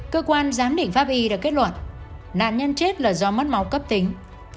cơ quan giám định pháp y đã kết luận nạn nhân chết là do mất máu cấp tính